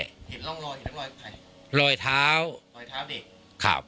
เห็นร่องรอยเห็นร่องรอยใครรอยเท้ารอยเท้าเด็กครับ